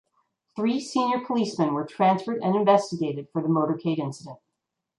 Three senior policemen were transferred and investigated for the motorcade incident.